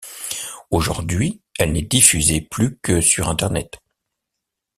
Aujourd'hui, elle n'est diffusée plus que sur Internet.